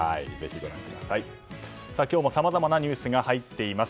今日もさまざまなニュースが入っています。